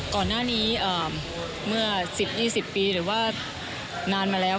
ก่อนหน้านี้เมื่อ๑๐๒๐ปีหรือว่านานมาแล้ว